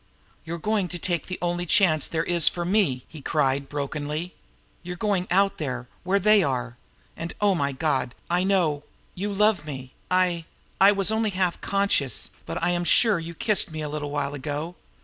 "You are going to take the only chance there is for me!" he cried brokenly. "You're going out there where they are. Oh, my God! I know! You love me! I I was only half conscious, but I am sure you kissed me a little while ago.